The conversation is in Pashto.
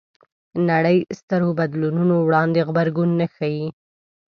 نړۍ سترو بدلونونو وړاندې غبرګون نه ښيي